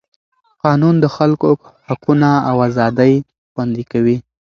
قانون د خلکو حقونه او ازادۍ خوندي کوي.